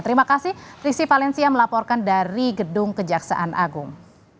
terima kasih rizky valencia melaporkan dari gedung kejaksaan agung